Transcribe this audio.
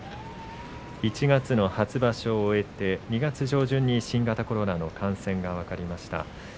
１月の初場所を終えて２月上旬に新型コロナの感染が分かりました。